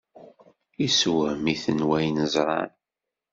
Yessewhem-iten wayen ẓran.